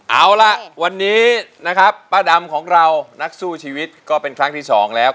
เอาล่ะวันนี้นะครับป้าดำของเรานักสู้ชีวิตก็เป็นครั้งที่สองแล้ว